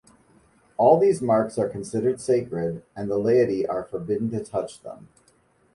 All these marks are considered sacred, and the laity are forbidden to touch them.